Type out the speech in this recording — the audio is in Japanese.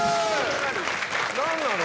何なの？